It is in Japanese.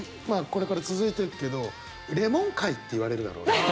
これから続いていくけどレモン回っていわれるだろうな。